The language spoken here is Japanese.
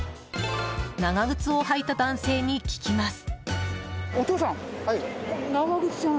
長靴を履いた男性に聞きます。